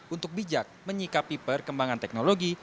untuk bijak menyikapi perkembangan teknologi